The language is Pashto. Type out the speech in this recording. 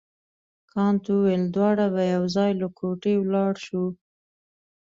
کانت وویل دواړه به یو ځای له کوټې ولاړ شو.